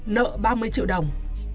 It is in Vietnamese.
nợ ba mươi triệu đồng